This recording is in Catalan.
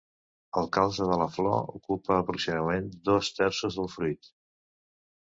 El calze de la flor ocupa aproximadament dos terços del fruit.